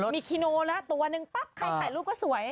มีคีโนแล้วตัวหนึ่งปั๊บใครถ่ายรูปก็สวย